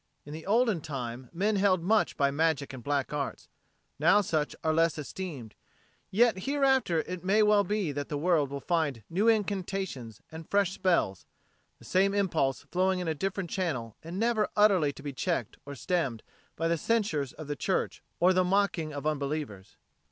In olden time men held much by magic and black arts; now such are less esteemed; yet hereafter it may well be that the world will find new incantations and fresh spells, the same impulse flowing in a different channel and never utterly to be checked or stemmed by the censures of the Church or the mocking of unbelievers.